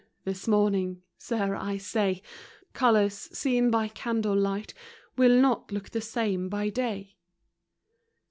" this morning, Sir, I say : Colors, seen by candle light, Will not look the same by day.